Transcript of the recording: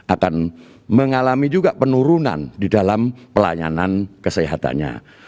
akan mengalami juga penurunan di dalam pelayanan kesehatannya